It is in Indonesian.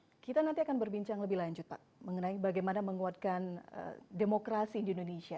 oke kita nanti akan berbincang lebih lanjut pak mengenai bagaimana menguatkan demokrasi di indonesia